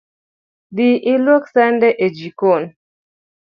Dhi luok sande e jikon